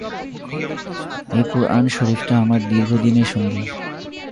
এই কুরআন শরিফটা আমার দীর্ঘ দিনের সঙ্গী।